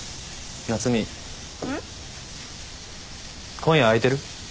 今夜空いてる？